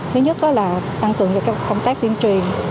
thứ nhất là tăng cường cho công tác tiến truyền